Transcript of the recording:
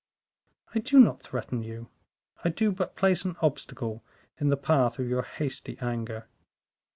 "I do not threaten you; I do but place an obstacle in the path of your hasty anger.